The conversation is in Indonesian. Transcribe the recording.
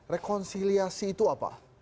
rekonsiliasi itu apa